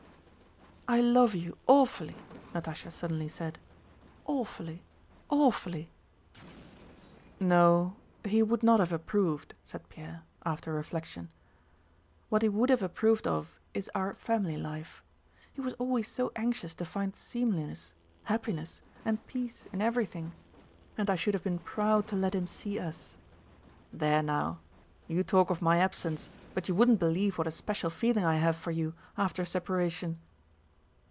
"I love you awfully!" Natásha suddenly said. "Awfully, awfully!" "No, he would not have approved," said Pierre, after reflection. "What he would have approved of is our family life. He was always so anxious to find seemliness, happiness, and peace in everything, and I should have been proud to let him see us. There now—you talk of my absence, but you wouldn't believe what a special feeling I have for you after a separation...."